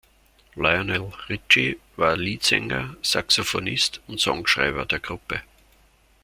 Lionel Richie war Leadsänger, Saxophonist und Songschreiber der Gruppe.